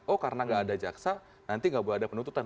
oh karena nggak ada jaksa nanti gak boleh ada penuntutan